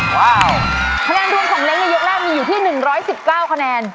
ว้าวคะแนนรวมของเล้งในยกแรกมีอยู่ที่๑๑๙คะแนน